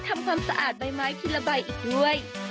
ทำความสะอาดใบไม้ทีละใบอีกด้วย